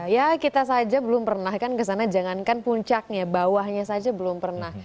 ya kita saja belum pernah kan kesana jangankan puncaknya bawahnya saja belum pernah